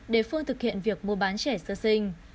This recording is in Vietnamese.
địa phương thực hiện việc mua bán trẻ sơ sinh